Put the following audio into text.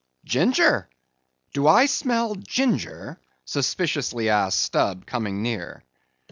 "Ginger? Do I smell ginger?" suspiciously asked Stubb, coming near.